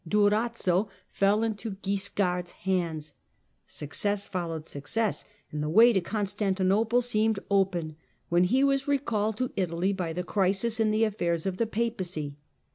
Durazzo fell into Guiscard's hands, success followed success, and the way to Constantinople seemed open, when he was recalled to Italy by the crisis in the aftairs of the Papacy (see p.